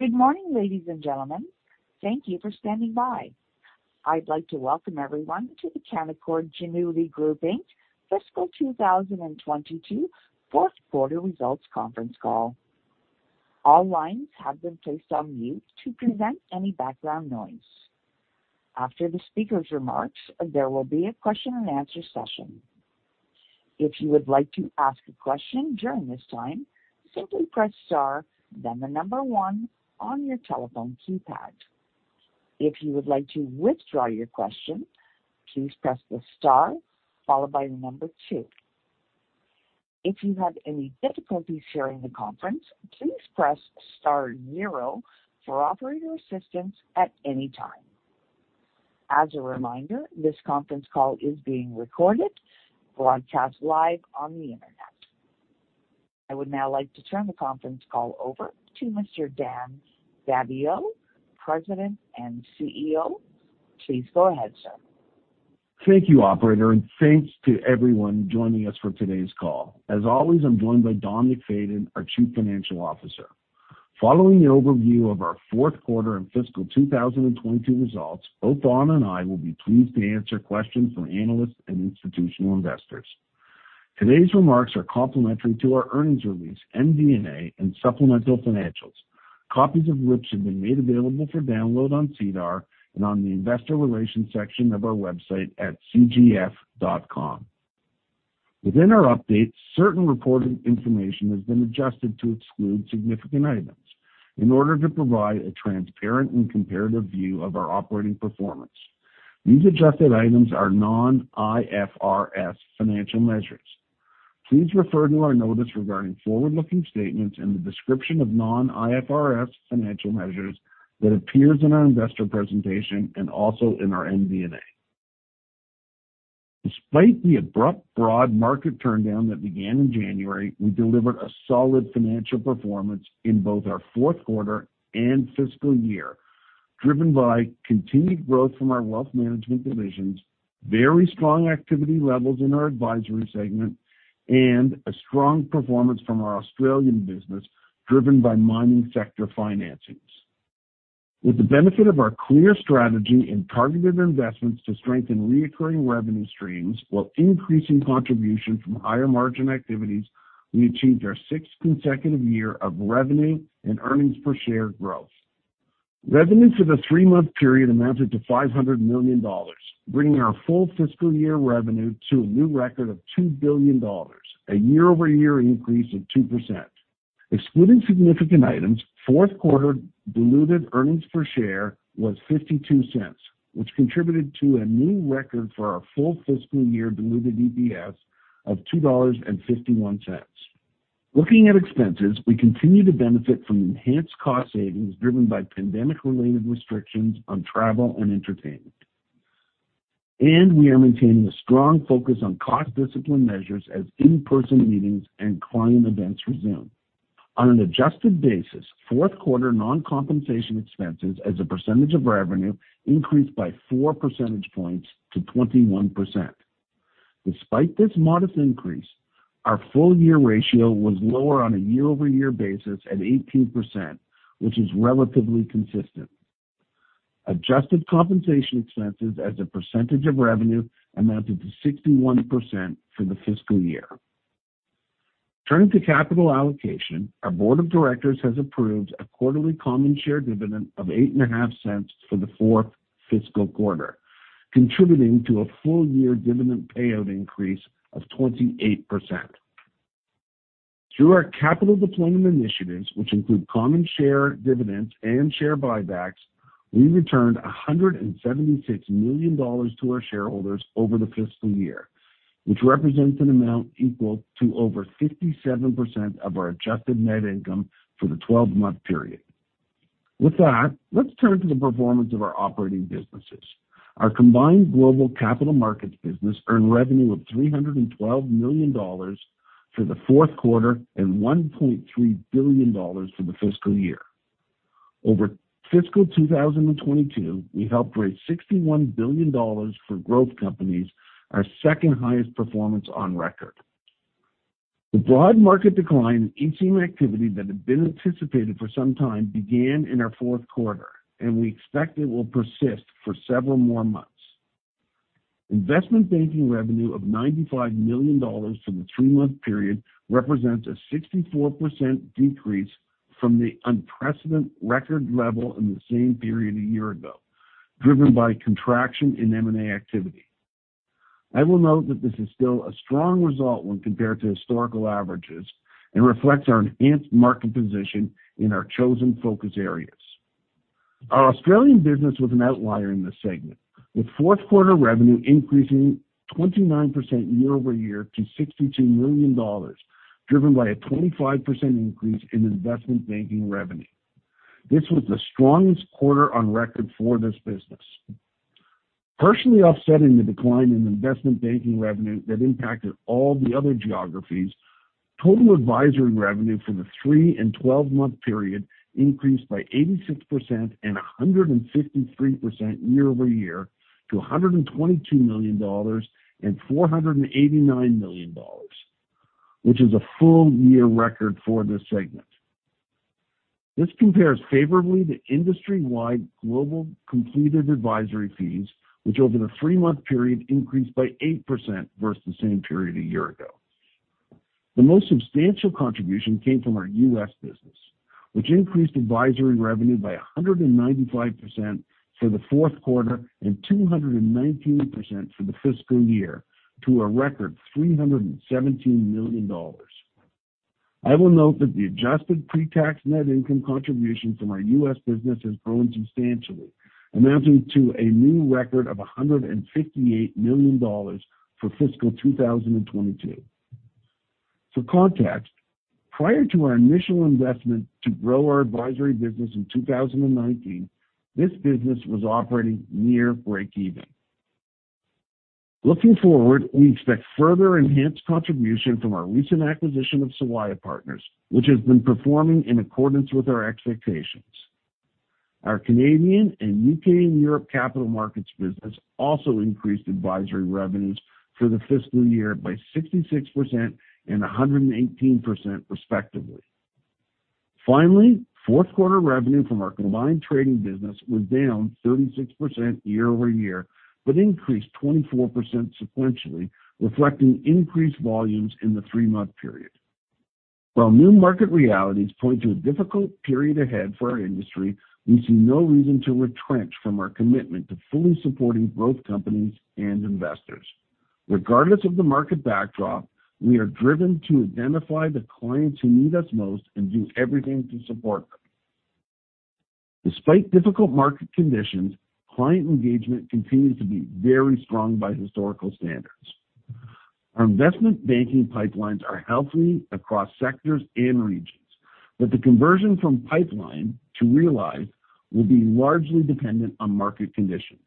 Good morning, ladies and gentlemen. Thank you for standing by. I'd like to welcome everyone to the Canaccord Genuity Group Inc. Fiscal 2022 fourth quarter results conference call. All lines have been placed on mute to prevent any background noise. After the speaker's remarks, there will be a question-and-answer session. If you would like to ask a question during this time, simply press star, then the one on your telephone keypad. If you would like to withdraw your question, please press the star followed by the two. If you have any difficulties hearing the conference, please press star zero for operator assistance at any time. As a reminder, this conference call is being recorded, broadcast live on the Internet. I would now like to turn the conference call over to Mr. Dan Daviau, President and CEO. Please go ahead, sir. Thank you, operator, and thanks to everyone joining us for today's call. As always, I'm joined by Don MacFayden, our Chief Financial Officer. Following the overview of our fourth quarter and fiscal 2022 results, both Don and I will be pleased to answer questions from analysts and institutional investors. Today's remarks are complementary to our earnings release, MD&A, and supplemental financials, copies of which have been made available for download on SEDAR and on the investor relations section of our website at cgf.com. Within our update, certain reported information has been adjusted to exclude significant items in order to provide a transparent and comparative view of our operating performance. These adjusted items are non-IFRS financial measures. Please refer to our notice regarding forward-looking statements and the description of non-IFRS financial measures that appears in our investor presentation and also in our MD&A. Despite the abrupt broad market downturn that began in January, we delivered a solid financial performance in both our fourth quarter and fiscal year, driven by continued growth from our wealth management divisions, very strong activity levels in our advisory segment, and a strong performance from our Australian business, driven by mining sector financings. With the benefit of our clear strategy and targeted investments to strengthen recurring revenue streams while increasing contribution from higher-margin activities, we achieved our sixth consecutive year of revenue and earnings per share growth. Revenue for the three-month period amounted to 500 million dollars, bringing our full fiscal year revenue to a new record of 2 billion dollars, a year-over-year increase of 2%. Excluding significant items, fourth quarter diluted earnings per share was 0.52, which contributed to a new record for our full fiscal year diluted EPS of 2.51 dollars. Looking at expenses, we continue to benefit from enhanced cost savings driven by pandemic-related restrictions on travel and entertainment. We are maintaining a strong focus on cost discipline measures as in-person meetings and client events resume. On an adjusted basis, fourth quarter non-compensation expenses as a percentage of revenue increased by 4 percentage points to 21%. Despite this modest increase, our full-year ratio was lower on a year-over-year basis at 18%, which is relatively consistent. Adjusted compensation expenses as a percentage of revenue amounted to 61% for the fiscal year. Turning to capital allocation, our board of directors has approved a quarterly common share dividend of 0.085 for the fourth fiscal quarter, contributing to a full-year dividend payout increase of 28%. Through our capital deployment initiatives, which include common share dividends and share buybacks, we returned 176 million dollars to our shareholders over the fiscal year, which represents an amount equal to over 57% of our adjusted net income for the 12-month period. With that, let's turn to the performance of our operating businesses. Our combined global capital markets business earned revenue of 312 million dollars for the fourth quarter and 1.3 billion dollars for the fiscal year. Over fiscal 2022, we helped raise 61 billion dollars for growth companies, our second highest performance on record. The broad market decline in ECM activity that had been anticipated for some time began in our fourth quarter, and we expect it will persist for several more months. Investment banking revenue of 95 million dollars for the three-month period represents a 64% decrease from the unprecedented record level in the same period a year ago, driven by contraction in M&A activity. I will note that this is still a strong result when compared to historical averages and reflects our enhanced market position in our chosen focus areas. Our Australian business was an outlier in this segment, with fourth quarter revenue increasing 29% year-over-year to 62 million dollars, driven by a 25% increase in investment banking revenue. This was the strongest quarter on record for this business. Partially offsetting the decline in investment banking revenue that impacted all the other geographies, total advisory revenue for the three- and twelve-month period increased by 86% and 153% year-over-year to 122 million dollars and 489 million dollars, which is a full year record for this segment. This compares favorably to industry-wide global completed advisory fees, which over the three-month period increased by 8% versus the same period a year ago. The most substantial contribution came from our U.S. Business, which increased advisory revenue by 195% for the fourth quarter and 219% for the fiscal year to a record $317 million. I will note that the adjusted pre-tax net income contribution from our U.S. business has grown substantially, amounting to a new record of $158 million for fiscal 2022. For context, prior to our initial investment to grow our advisory business in 2019, this business was operating near breakeven. Looking forward, we expect further enhanced contribution from our recent acquisition of Sawaya Partners, which has been performing in accordance with our expectations. Our Canadian and UK and Europe capital markets business also increased advisory revenues for the fiscal year by 66% and 118% respectively. Finally, fourth quarter revenue from our combined trading business was down 36% year-over-year, but increased 24% sequentially, reflecting increased volumes in the three-month period. While new market realities point to a difficult period ahead for our industry, we see no reason to retrench from our commitment to fully supporting both companies and investors. Regardless of the market backdrop, we are driven to identify the clients who need us most and do everything to support them. Despite difficult market conditions, client engagement continues to be very strong by historical standards. Our investment banking pipelines are healthy across sectors and regions, but the conversion from pipeline to realized will be largely dependent on market conditions.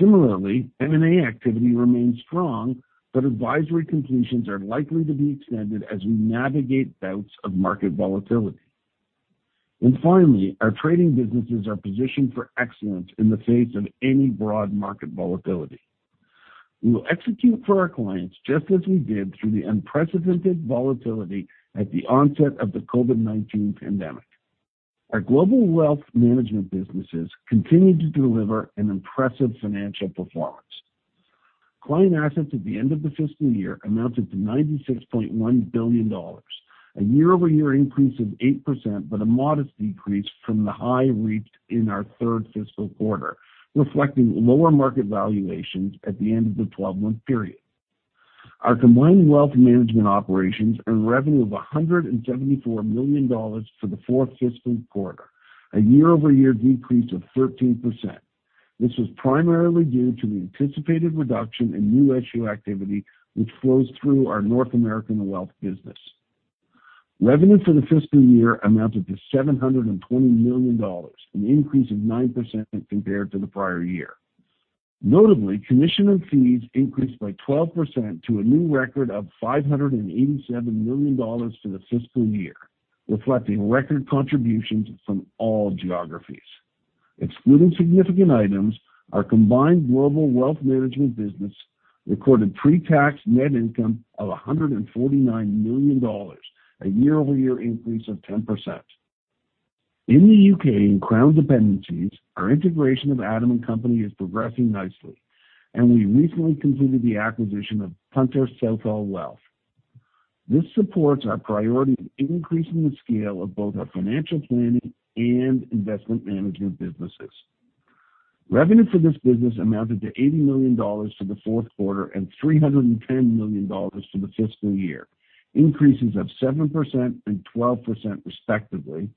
Similarly, M&A activity remains strong, but advisory completions are likely to be extended as we navigate bouts of market volatility. Finally, our trading businesses are positioned for excellence in the face of any broad market volatility. We will execute for our clients just as we did through the unprecedented volatility at the onset of the COVID-19 pandemic. Our global wealth management businesses continued to deliver an impressive financial performance. Client assets at the end of the fiscal year amounted to 96.1 billion dollars, a year-over-year increase of 8% but a modest decrease from the high reached in our third fiscal quarter, reflecting lower market valuations at the end of the twelve-month period. Our combined wealth management operations earned revenue of 174 million dollars for the fourth fiscal quarter, a year-over-year decrease of 13%. This was primarily due to the anticipated reduction in new issue activity which flows through our North American wealth business. Revenue for the fiscal year amounted to 720 million dollars, an increase of 9% compared to the prior year. Notably, commission and fees increased by 12% to a new record of 587 million dollars for the fiscal year, reflecting record contributions from all geographies. Excluding significant items, our combined global wealth management business recorded pre-tax net income of 149 million dollars, a year-over-year increase of 10%. In the UK and Crown dependencies, our integration of Adam & Company is progressing nicely, and we recently completed the acquisition of Punter Southall Wealth. This supports our priority of increasing the scale of both our financial planning and investment management businesses. Revenue for this business amounted to 80 million dollars for the fourth quarter and 310 million dollars for the fiscal year, increases of 7% and 12% respectively,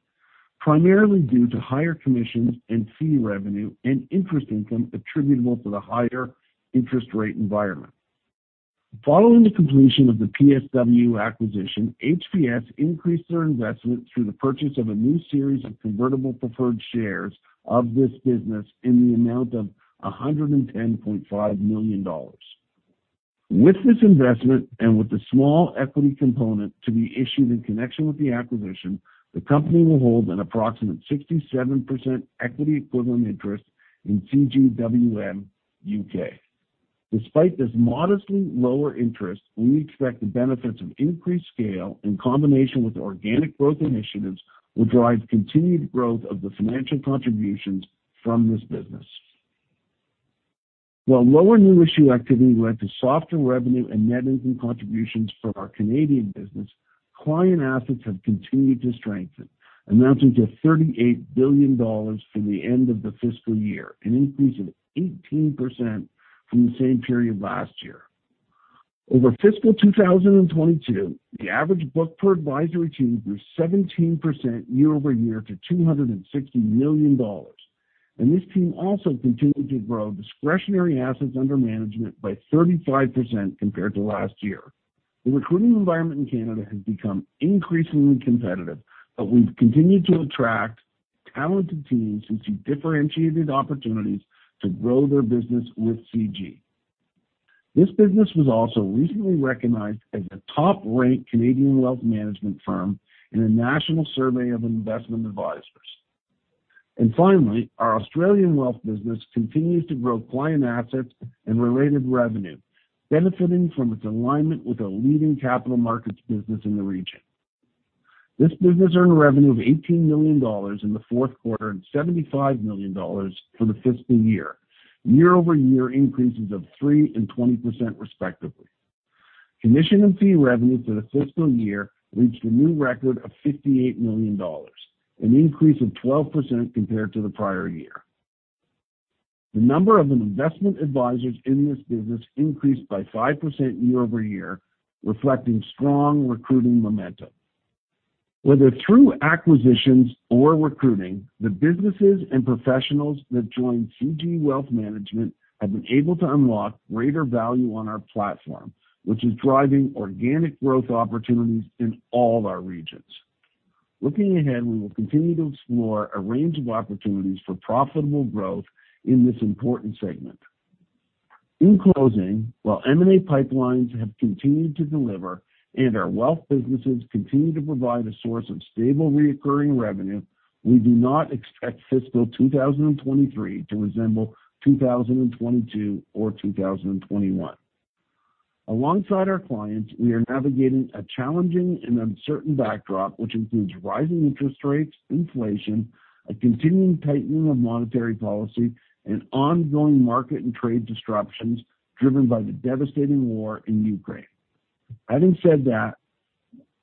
primarily due to higher commissions and fee revenue and interest income attributable to the higher interest rate environment. Following the completion of the PSW acquisition, HPS increased their investment through the purchase of a new series of convertible preferred shares of this business in the amount of 110.5 million dollars. With this investment, and with the small equity component to be issued in connection with the acquisition, the company will hold an approximate 67% equity equivalent interest in CGWM UK. Despite this modestly lower interest, we expect the benefits of increased scale in combination with organic growth initiatives will drive continued growth of the financial contributions from this business. While lower new issue activity led to softer revenue and net income contributions from our Canadian business, client assets have continued to strengthen, amounting to 38 billion dollars for the end of the fiscal year, an increase of 18% from the same period last year. Over fiscal 2022, the average book per advisory team grew 17% year-over-year to 260 million dollars. This team also continued to grow discretionary assets under management by 35% compared to last year. The recruiting environment in Canada has become increasingly competitive, but we've continued to attract talented teams who see differentiated opportunities to grow their business with CG. This business was also recently recognized as a top-ranked Canadian wealth management firm in a national survey of investment advisors. Finally, our Australian wealth business continues to grow client assets and related revenue, benefiting from its alignment with a leading capital markets business in the region. This business earned revenue of 18 million dollars in the fourth quarter and 75 million dollars for the fiscal year-over-year increases of 3% and 20% respectively. Commission and fee revenues for the fiscal year reached a new record of 58 million dollars, an increase of 12% compared to the prior year. The number of investment advisors in this business increased by 5% year-over-year, reflecting strong recruiting momentum. Whether through acquisitions or recruiting, the businesses and professionals that join CG Wealth Management have been able to unlock greater value on our platform, which is driving organic growth opportunities in all our regions. Looking ahead, we will continue to explore a range of opportunities for profitable growth in this important segment. In closing, while M&A pipelines have continued to deliver and our wealth businesses continue to provide a source of stable recurring revenue, we do not expect fiscal 2023 to resemble 2022 or 2021. Alongside our clients, we are navigating a challenging and uncertain backdrop, which includes rising interest rates, inflation, a continuing tightening of monetary policy, and ongoing market and trade disruptions driven by the devastating war in Ukraine. Having said that,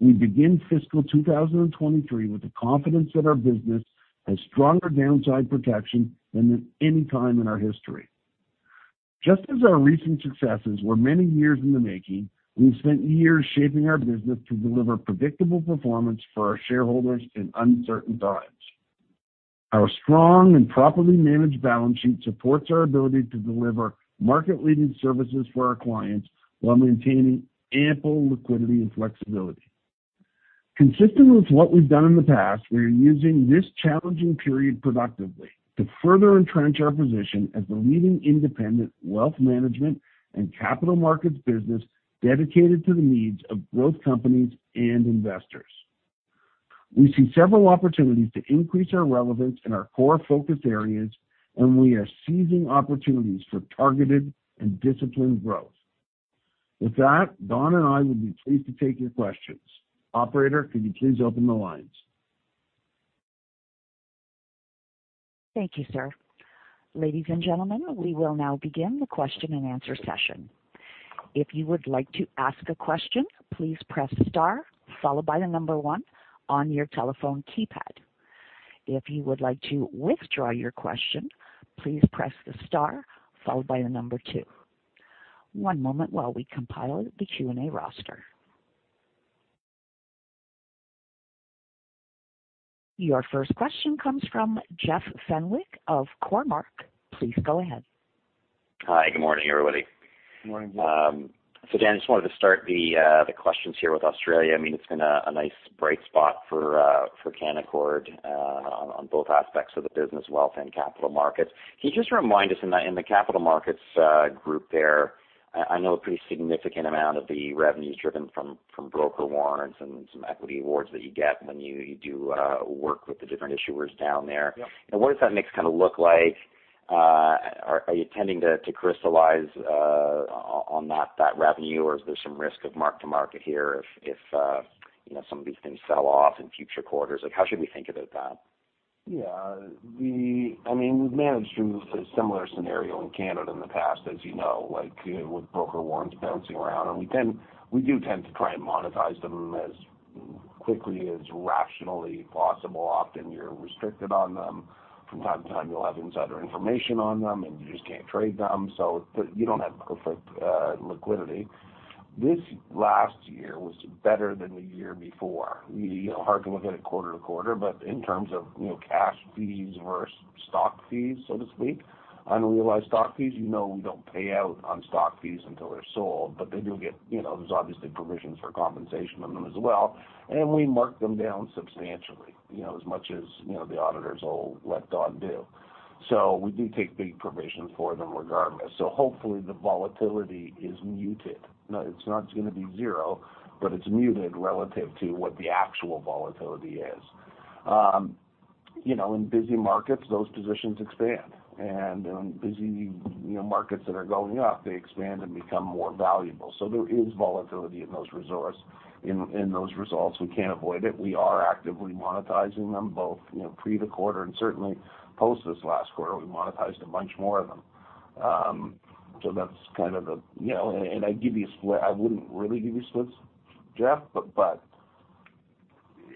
we begin fiscal 2023 with the confidence that our business has stronger downside protection than at any time in our history. Just as our recent successes were many years in the making, we've spent years shaping our business to deliver predictable performance for our shareholders in uncertain times. Our strong and properly managed balance sheet supports our ability to deliver market-leading services for our clients while maintaining ample liquidity and flexibility. Consistent with what we've done in the past, we are using this challenging period productively to further entrench our position as the leading independent wealth management and capital markets business dedicated to the needs of growth companies and investors. We see several opportunities to increase our relevance in our core focus areas, and we are seizing opportunities for targeted and disciplined growth. With that, Don and I would be pleased to take your questions. Operator, could you please open the lines? Thank you, sir. Ladies and gentlemen, we will now begin the question-and-answer session. If you would like to ask a question, please press star followed by the number one on your telephone keypad. If you would like to withdraw your question, please press the star followed by the number two. One moment while we compile the Q&A roster. Your first question comes from Jeff Fenwick of Cormark. Please go ahead. Hi, good morning, everybody. Good morning. Dan, just wanted to start the questions here with Australia. I mean, it's been a nice bright spot for Canaccord on both aspects of the business, wealth and capital markets. Can you just remind us in the capital markets group there. I know a pretty significant amount of the revenue is driven from broker warrants and some equity awards that you get when you do work with the different issuers down there. Yeah. What does that mix kinda look like? Are you tending to crystallize on that revenue, or is there some risk of mark-to-market here if you know, some of these things sell off in future quarters? Like, how should we think about that? Yeah. I mean, we've managed through a similar scenario in Canada in the past, as you know, like with broker warrants bouncing around. We do tend to try and monetize them as quickly as rationally possible. Often you're restricted on them. From time to time, you'll have insider information on them, and you just can't trade them, so but you don't have perfect liquidity. This last year was better than the year before. Hard to look at it quarter to quarter, but in terms of, you know, cash fees versus stock fees, so to speak, unrealized stock fees, you know we don't pay out on stock fees until they're sold, but they do get, you know, there's obviously provisions for compensation on them as well, and we mark them down substantially, you know, as much as, you know, the auditors will let Don do. We do take big provisions for them regardless. Hopefully the volatility is muted. No, it's not gonna be zero, but it's muted relative to what the actual volatility is. You know, in busy markets, those positions expand. In busy, you know, markets that are going up, they expand and become more valuable. There is volatility in those results. We can't avoid it. We are actively monetizing them both, you know, pre the quarter and certainly post this last quarter, we monetized a bunch more of them. That's kind of the. You know, I'd give you a split. I wouldn't really give you splits, Jeff, but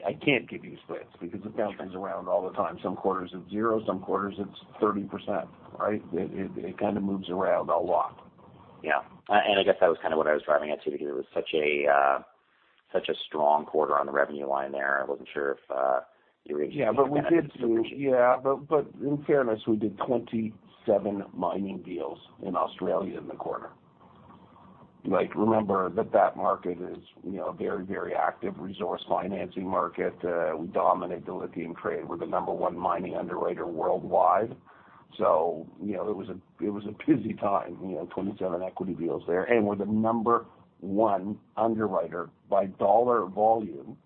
I can't give you splits because it bounces around all the time. Some quarters it's zero, some quarters it's 30%, right? It kind of moves around a lot. Yeah. I guess that was kind of what I was driving at too, because it was such a strong quarter on the revenue line there. I wasn't sure if you were able to. In fairness, we did 27 mining deals in Australia in the quarter. Like, remember that market is, you know, a very, very active resource financing market. We dominate the lithium trade. We're the number one mining underwriter worldwide. You know, it was a busy time, you know, 27 equity deals there. We're the number one underwriter by dollar volume,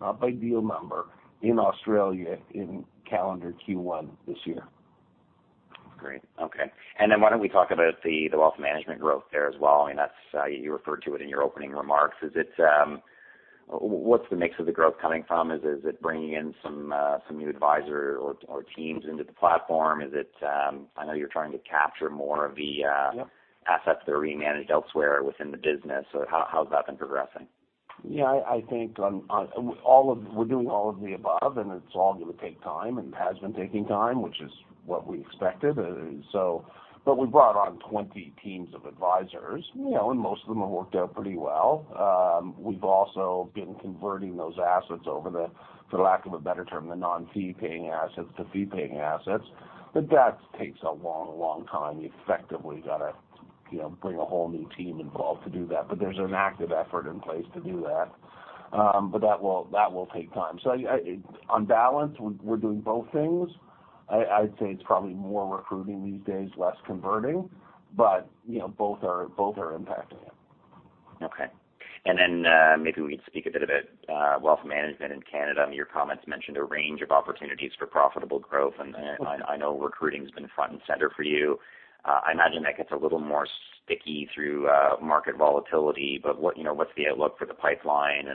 not by deal number, in Australia in calendar Q1 this year. Great. Okay. Why don't we talk about the wealth management growth there as well? I mean, that's you referred to it in your opening remarks. What's the mix of the growth coming from? Is it bringing in some new advisor or teams into the platform? I know you're trying to capture more of the. Yep Assets that are being managed elsewhere within the business. How's that been progressing? I think we're doing all of the above, and it's all gonna take time and has been taking time, which is what we expected. We brought on 20 teams of advisors, you know, and most of them have worked out pretty well. We've also been converting those assets, for lack of a better term, the non-fee-paying assets to fee-paying assets. That takes a long time. You effectively gotta, you know, bring a whole new team involved to do that. There's an active effort in place to do that, but that will take time. On balance, we're doing both things. I'd say it's probably more recruiting these days, less converting, but, you know, both are impacting it. Okay. Maybe we could speak a bit about wealth management in Canada. I mean, your comments mentioned a range of opportunities for profitable growth. I know recruiting's been front and center for you. I imagine that gets a little more sticky through market volatility, but you know, what's the outlook for the pipeline?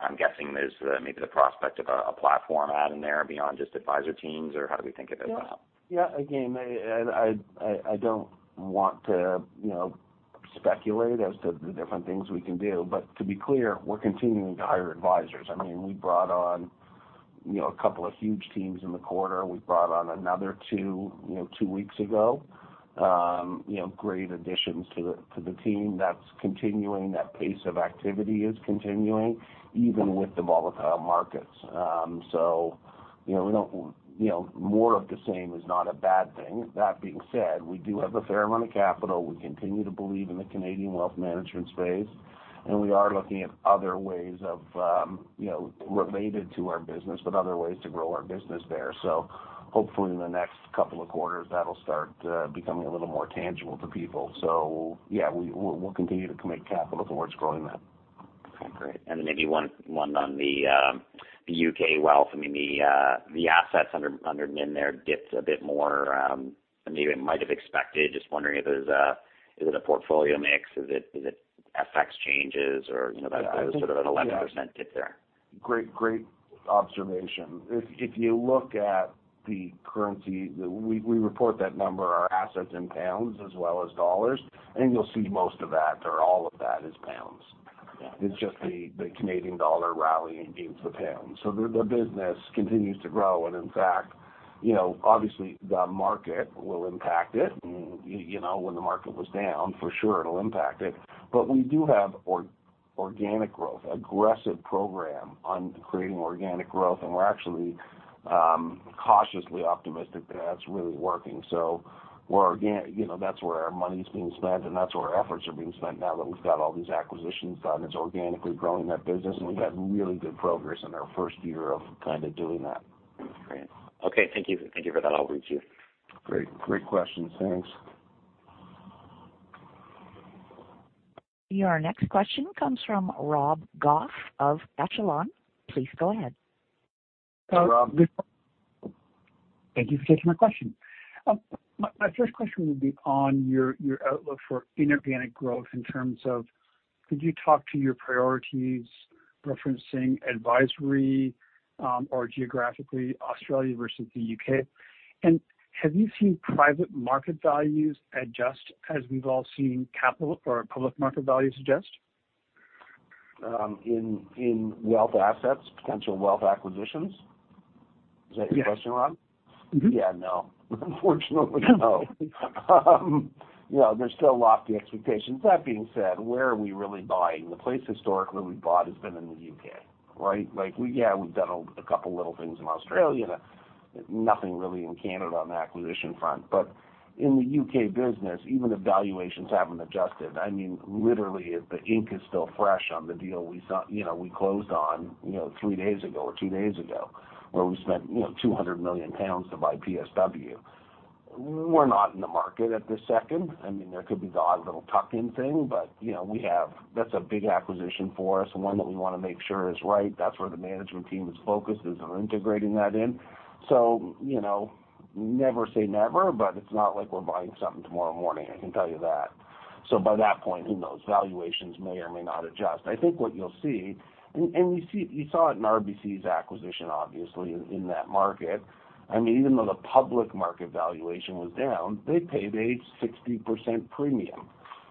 I'm guessing there's maybe the prospect of a platform add in there beyond just advisor teams, or how do we think of it now? Yeah. Yeah. Again, I don't want to, you know, speculate as to the different things we can do. To be clear, we're continuing to hire advisors. I mean, we brought on, you know, a couple of huge teams in the quarter. We brought on another two, you know, two weeks ago. You know, great additions to the team. That's continuing. That pace of activity is continuing even with the volatile markets. You know, we don't, you know, more of the same is not a bad thing. That being said, we do have a fair amount of capital. We continue to believe in the Canadian wealth management space, and we are looking at other ways of, you know, related to our business, but other ways to grow our business there. Hopefully in the next couple of quarters, that'll start becoming a little more tangible to people. Yeah, we'll continue to commit capital towards growing that. Okay, great. Maybe one on the UK wealth. I mean, the assets under in there dipped a bit more than maybe might have expected. Is it a portfolio mix? Is it FX changes or, you know, that. Yeah. I think. was sort of an 11% dip there. Great observation. If you look at the currency, we report that number, our assets in pounds as well as dollars, and you'll see most of that or all of that is pounds. Yeah. It's just the Canadian dollar rallying against the pound. The business continues to grow. In fact, you know, obviously, the market will impact it. You know, when the market was down, for sure it'll impact it. We do have organic growth, aggressive program on creating organic growth. We're actually cautiously optimistic that that's really working. You know, that's where our money's being spent, and that's where efforts are being spent now that we've got all these acquisitions done. It's organically growing that business, and we've had really good progress in our first year of kinda doing that. Great. Okay, thank you. Thank you for that overview. Great. Great questions. Thanks. Your next question comes from Rob Goff of Echelon. Please go ahead. Rob. Thank you for taking my question. My first question would be on your outlook for inorganic growth in terms of could you talk to your priorities referencing advisory, or geographically Australia versus the UK? Have you seen private market values adjust as we've all seen capital or public market values adjust? In wealth assets, potential wealth acquisitions? Yes. To your question, Rob? Mm-hmm. Yeah, no. Unfortunately, no. You know, there's still lofty expectations. That being said, where are we really buying? The place historically we bought has been in the UK, right? Like, we've done a couple little things in Australia, but nothing really in Canada on the acquisition front. But in the UK business, even the valuations haven't adjusted. I mean, literally, the ink is still fresh on the deal we signed, you know, we closed on, you know, three days ago or two days ago, where we spent, you know, 200 million pounds to buy Punter Southall Wealth. We're not in the market at this second. I mean, there could be the odd little tuck-in thing, but, you know, that's a big acquisition for us and one that we wanna make sure is right. That's where the management team is focused, is on integrating that in. You know, never say never, but it's not like we're buying something tomorrow morning, I can tell you that. By that point, who knows? Valuations may or may not adjust. I think what you'll see. You saw it in RBC's acquisition, obviously, in that market. I mean, even though the public market valuation was down, they paid a 60% premium.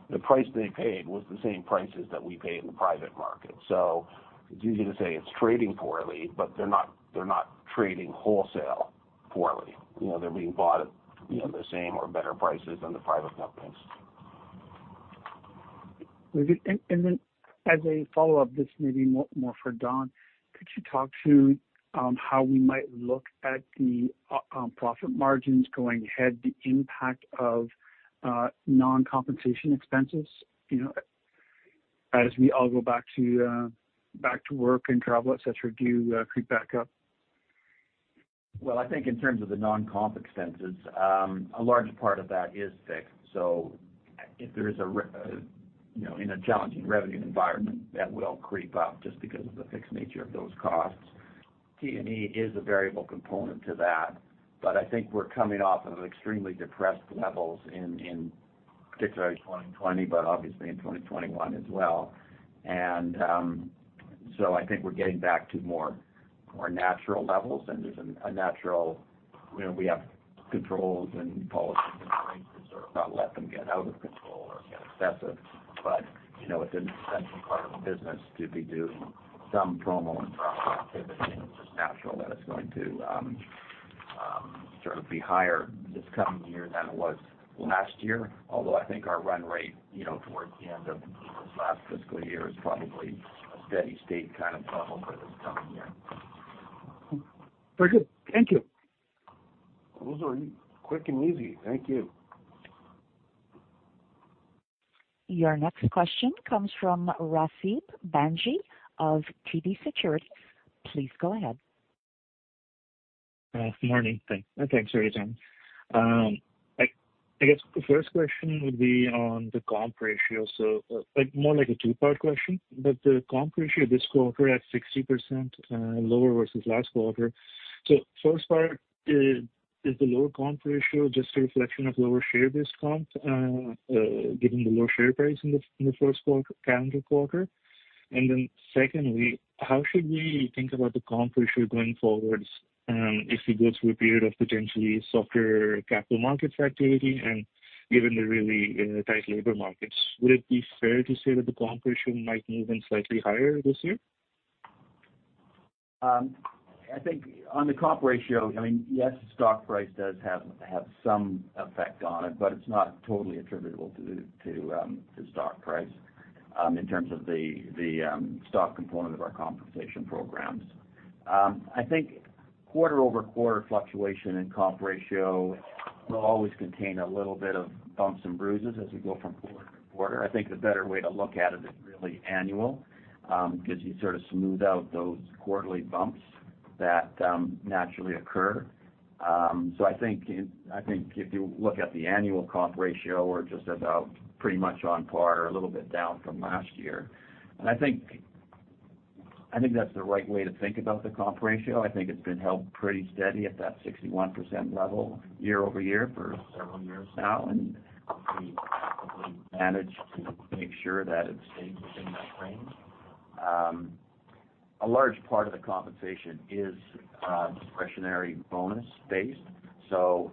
The price they paid was the same prices that we pay in the private market. It's easy to say it's trading poorly, but they're not, they're not trading wholesale poorly. You know, they're being bought at, you know, the same or better prices than the private companies. As a follow-up, this may be more for Don, could you talk to how we might look at the profit margins going ahead, the impact of non-compensation expenses, you know, as we all go back to work and travel, et cetera, do creep back up? Well, I think in terms of the non-comp expenses, a large part of that is fixed. If there is, you know, in a challenging revenue environment that will creep up just because of the fixed nature of those costs. T&E is a variable component to that. I think we're coming off of extremely depressed levels in particularly 2020, but obviously in 2021 as well. I think we're getting back to more natural levels, and there's a natural, you know, we have controls and policies and things to sort of not let them get out of control or get excessive. You know, it's an essential part of the business to be doing some promo and travel activity, and it's just natural that it's going to sort of be higher this coming year than it was last year. Although I think our run rate, you know, towards the end of this last fiscal year is probably a steady-state kind of level for this coming year. Very good. Thank you. Those are quick and easy. Thank you. Your next question comes from Rasib Bansal of TD Securities. Please go ahead. Morning. Thanks very much. I guess the first question would be on the comp ratio. Like, more like a two-part question. The comp ratio this quarter at 60%, lower versus last quarter. First part is the lower comp ratio just a reflection of lower share-based comp, given the lower share price in the first calendar quarter? Secondly, how should we think about the comp ratio going forward, if you go through a period of potentially softer capital markets activity and given the really tight labor markets, would it be fair to say that the comp ratio might move in slightly higher this year? I think on the comp ratio, I mean, yes, stock price does have some effect on it, but it's not totally attributable to stock price in terms of the stock component of our compensation programs. I think quarter-over-quarter fluctuation in comp ratio will always contain a little bit of bumps and bruises as we go from quarter to quarter. I think the better way to look at it is really annual, because you sort of smooth out those quarterly bumps that naturally occur. I think if you look at the annual comp ratio, we're just about pretty much on par or a little bit down from last year. I think that's the right way to think about the comp ratio. I think it's been held pretty steady at that 61% level year-over-year for several years now, and we've managed to make sure that it stays within that range. A large part of the compensation is discretionary bonus-based, so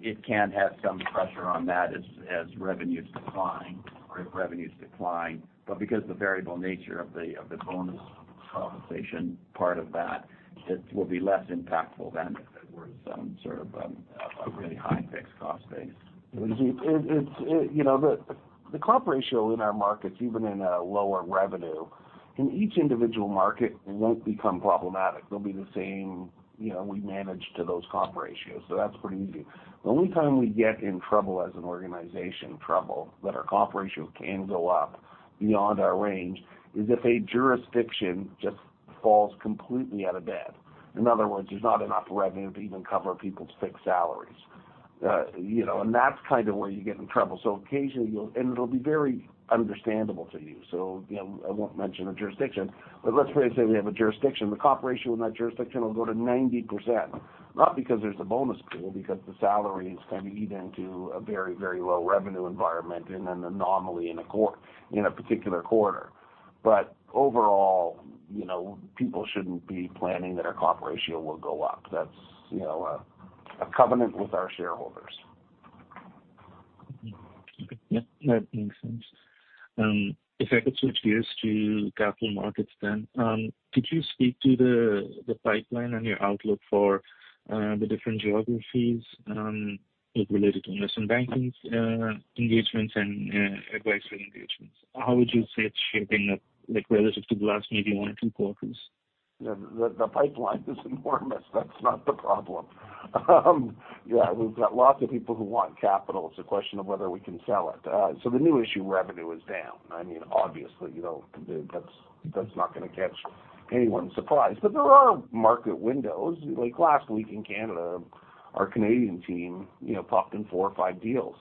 it can have some pressure on that as revenues decline or if revenues decline. Because the variable nature of the bonus compensation part of that, it will be less impactful than if it were some sort of a really high fixed cost base. You know, the comp ratio in our markets, even in a lower revenue in each individual market won't become problematic. They'll be the same. You know, we manage to those comp ratios, so that's pretty easy. The only time we get in trouble as an organization that our comp ratio can go up beyond our range is if a jurisdiction just falls completely out of bed. In other words, there's not enough revenue to even cover people's fixed salaries. You know, that's kind of where you get in trouble. Occasionally you'll. It'll be very understandable to you. You know, I won't mention a jurisdiction, but let's say we have a jurisdiction. The comp ratio in that jurisdiction will go to 90%, not because there's a bonus pool, because the salary is going to eat into a very low revenue environment in an anomaly in a particular quarter. Overall, you know, people shouldn't be planning that our comp ratio will go up. That's, you know, a covenant with our shareholders. Okay. Yeah, that makes sense. If I could switch gears to capital markets then. Could you speak to the pipeline and your outlook for the different geographies related to investment banking engagements and advisory engagements? How would you say it's shaping up like relative to the last maybe one or two quarters? The pipeline is enormous. That's not the problem. Yeah, we've got lots of people who want capital. It's a question of whether we can sell it. The new issue revenue is down. I mean, obviously, you know, that's not gonna catch anyone's surprise. There are market windows. Like last week in Canada, our Canadian team, you know, popped in four or five deals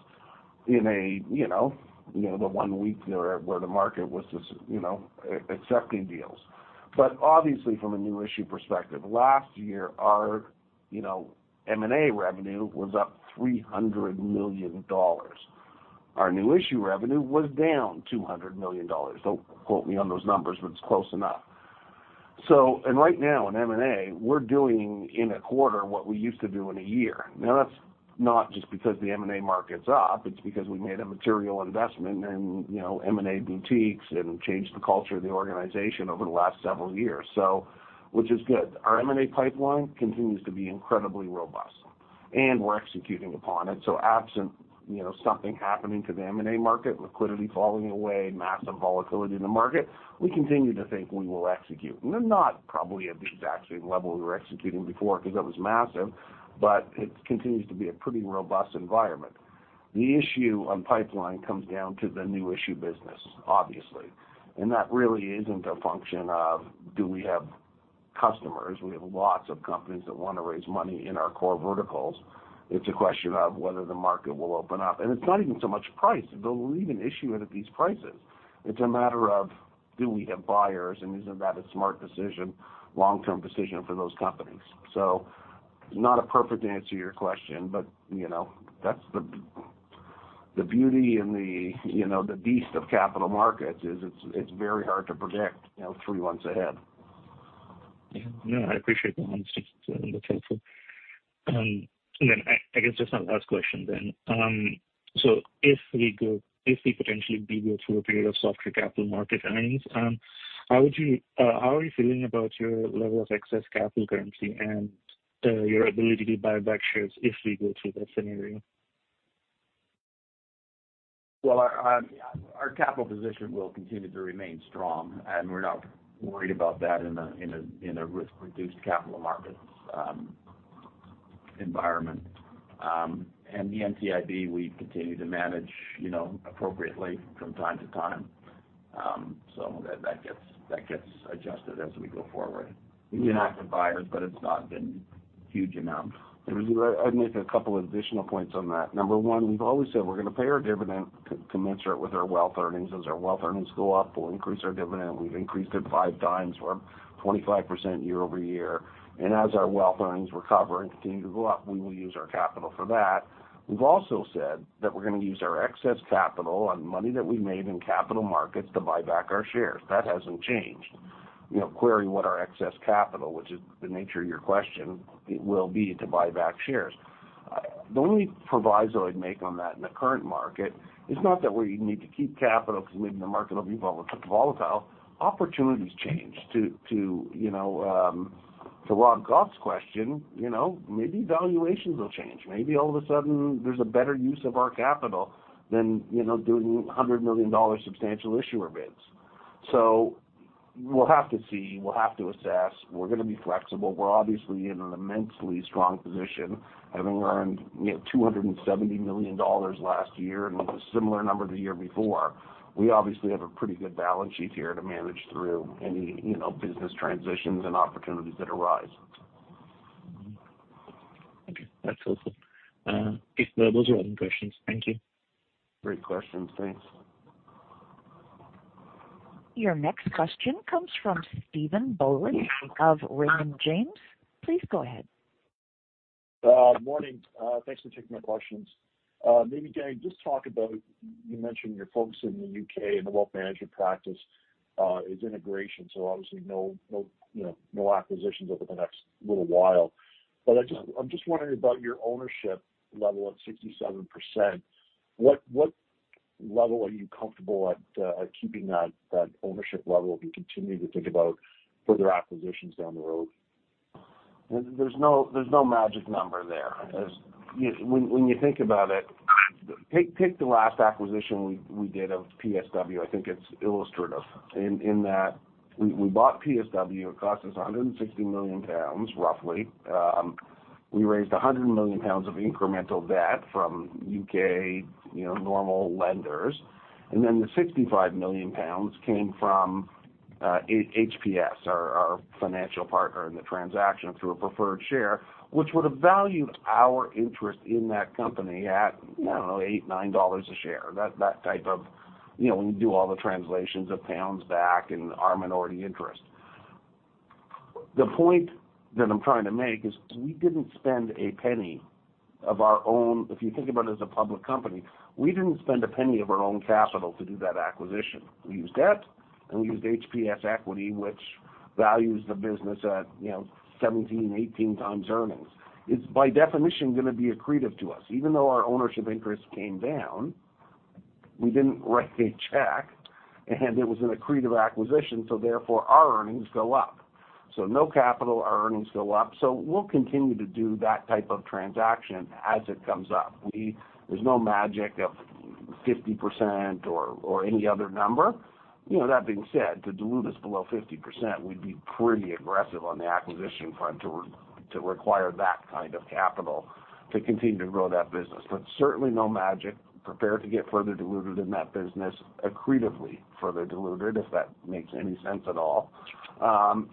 in a, you know, the one week where the market was just, you know, accepting deals. Obviously from a new issue perspective, last year our, you know, M&A revenue was up 300 million dollars. Our new issue revenue was down 200 million dollars. Don't quote me on those numbers, but it's close enough. Right now in M&A, we're doing in a quarter what we used to do in a year. Now that's not just because the M&A market's up, it's because we made a material investment in, you know, M&A boutiques and changed the culture of the organization over the last several years, so which is good. Our M&A pipeline continues to be incredibly robust, and we're executing upon it. Absent, you know, something happening to the M&A market, liquidity falling away, massive volatility in the market, we continue to think we will execute. Not probably at the exact same level we were executing before because that was massive, but it continues to be a pretty robust environment. The issue on pipeline comes down to the new issue business, obviously, and that really isn't a function of do we have customers, we have lots of companies that want to raise money in our core verticals. It's a question of whether the market will open up. It's not even so much price. They'll even issue it at these prices. It's a matter of do we have buyers, and is that a smart decision, long-term decision for those companies? Not a perfect answer to your question, but, you know, that's the beauty and the, you know, the beast of capital markets is it's very hard to predict, you know, three months ahead. Yeah, no, I appreciate the honesty. That's helpful. I guess just one last question then. If we potentially do go through a period of softer capital market earnings, how are you feeling about your level of excess capital currency and your ability to buy back shares if we go through that scenario? Well, our capital position will continue to remain strong, and we're not worried about that in a risk-reduced capital markets environment. The NCIB, we continue to manage, you know, appropriately from time to time. That gets adjusted as we go forward. We've been active buyers, but it's not been huge amounts. I'd make a couple additional points on that. Number one, we've always said we're gonna pay our dividend commensurate with our wealth earnings. As our wealth earnings go up, we'll increase our dividend. We've increased it 5 times. We're up 25% year-over-year. As our wealth earnings recover and continue to go up, we will use our capital for that. We've also said that we're gonna use our excess capital and money that we made in capital markets to buy back our shares. That hasn't changed. You know, query what our excess capital, which is the nature of your question, it will be to buy back shares. The only proviso I'd make on that in the current market is not that we need to keep capital because maybe the market will be volatile. Opportunities change. To Rob Goff's question, you know, maybe valuations will change. Maybe all of a sudden there's a better use of our capital than, you know, doing 100 million dollar substantial issuer bids. So we'll have to see. We'll have to assess. We're gonna be flexible. We're obviously in an immensely strong position, having earned, you know, 270 million dollars last year and with a similar number the year before. We obviously have a pretty good balance sheet here to manage through any, you know, business transitions and opportunities that arise. Thank you. That's helpful. Those are all the questions. Thank you. Great questions. Thanks. Your next question comes from Stephen Boland of Raymond James. Please go ahead. Morning. Thanks for taking my questions. Maybe, Dan Daviau, just talk about, you mentioned you're focusing on the UK and the wealth management practice, its integration, so obviously no, you know, no acquisitions over the next little while. I'm just wondering about your ownership level at 67%. What level are you comfortable at keeping that ownership level if you continue to think about further acquisitions down the road? There's no magic number there. As you think about it, take the last acquisition we did of PSW. I think it's illustrative in that we bought PSW. It cost us 160 million pounds, roughly. We raised 100 million pounds of incremental debt from UK, you know, normal lenders. Then the 65 million pounds came from HPS, our financial partner in the transaction through a preferred share, which would have valued our interest in that company at, I don't know, $8-$9 a share. That type of, you know, when you do all the translations of pounds back and our minority interest. The point that I'm trying to make is we didn't spend a penny of our own. If you think about it as a public company, we didn't spend a penny of our own capital to do that acquisition. We used debt, and we used HPS equity, which values the business at, you know, 17-18x earnings. It's by definition gonna be accretive to us. Even though our ownership interest came down, we didn't write a check, and it was an accretive acquisition, so therefore our earnings go up. No capital, our earnings go up. We'll continue to do that type of transaction as it comes up. We, there's no magic of 50% or any other number. You know, that being said, to dilute us below 50%, we'd be pretty aggressive on the acquisition front to require that kind of capital to continue to grow that business. Certainly no magic. Prepare to get further diluted in that business, accretively further diluted, if that makes any sense at all.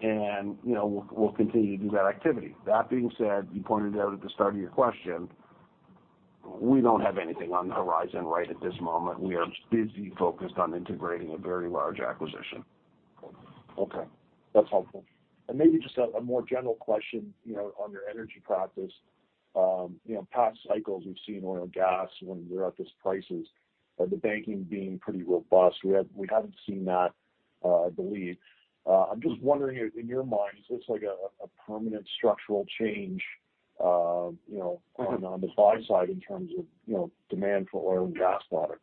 You know, we'll continue to do that activity. That being said, you pointed out at the start of your question, we don't have anything on the horizon right at this moment. We are busy focused on integrating a very large acquisition. Okay. That's helpful. Maybe just a more general question, you know, on your energy practice. You know, past cycles, we've seen oil and gas when we're at these prices, the banking being pretty robust. We haven't seen that, I believe. I'm just wondering, in your mind, is this like a permanent structural change, you know, on the buy side in terms of, you know, demand for oil and gas products?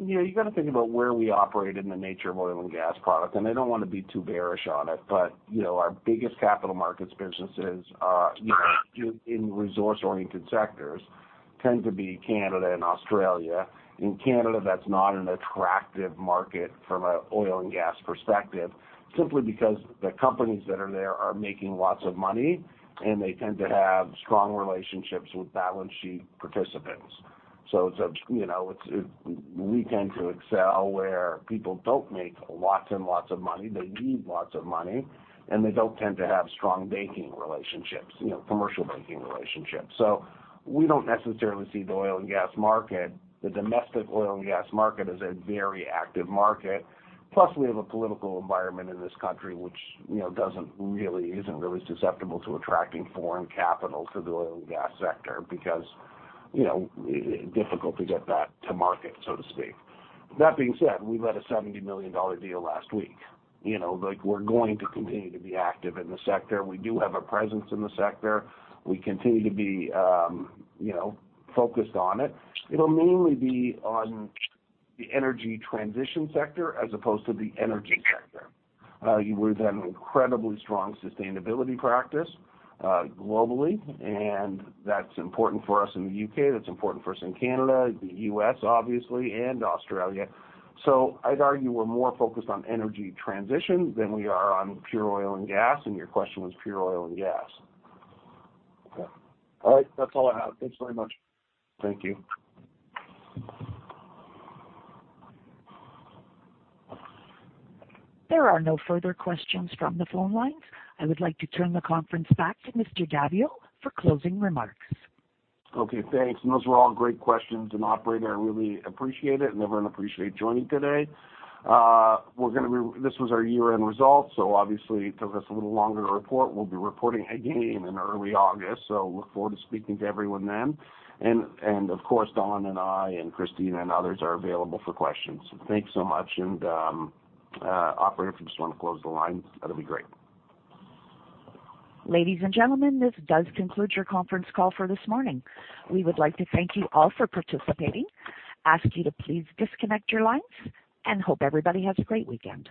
You know, you gotta think about where we operate in the nature of oil and gas products. I don't wanna be too bearish on it, but, you know, our biggest capital markets businesses are, you know, in resource-oriented sectors tend to be Canada and Australia. In Canada, that's not an attractive market from an oil and gas perspective, simply because the companies that are there are making lots of money, and they tend to have strong relationships with balance sheet participants. It's a, you know, we tend to excel where people don't make lots and lots of money. They need lots of money, and they don't tend to have strong banking relationships, you know, commercial banking relationships. We don't necessarily see the oil and gas market. The domestic oil and gas market is a very active market. Plus, we have a political environment in this country which, you know, isn't really susceptible to attracting foreign capital to the oil and gas sector because, you know, difficult to get that to market, so to speak. That being said, we led a 70 million dollar deal last week. You know, like, we're going to continue to be active in the sector. We do have a presence in the sector. We continue to be, you know, focused on it. It'll mainly be on the energy transition sector as opposed to the energy sector. We've had an incredibly strong sustainability practice, globally, and that's important for us in the UK, That's important for us in Canada, the U.S., obviously, and Australia. I'd argue we're more focused on energy transition than we are on pure oil and gas, and your question was pure oil and gas. Okay. All right. That's all I have. Thanks very much. Thank you. There are no further questions from the phone lines. I would like to turn the conference back to Mr. Daviau for closing remarks. Okay, thanks. Those were all great questions. Operator, I really appreciate it and everyone appreciate joining today. This was our year-end results, so obviously it took us a little longer to report. We'll be reporting again in early August, so look forward to speaking to everyone then. Of course, Don and I and Christina and others are available for questions. Thanks so much. Operator, if you just wanna close the lines, that'll be great. Ladies and gentlemen, this does conclude your conference call for this morning. We would like to thank you all for participating, ask you to please disconnect your lines, and hope everybody has a great weekend.